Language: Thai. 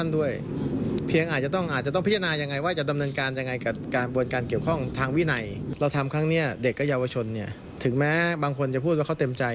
เด็กก็เยาวชนถึงแม้บางคนจะพูดว่าเขาเต็มใจ